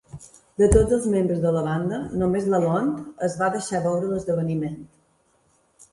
De tots els membres de la banda, només LaLonde es va deixar veure a l'esdeveniment.